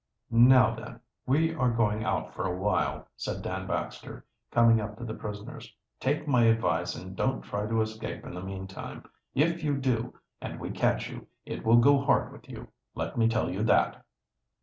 "Now, then, we are going out for a while," said Dan Baxter, coming up to the prisoners. "Take my advice and don't try to escape in the meantime. If you do, and we catch you, it will go hard with you; let me tell you that!"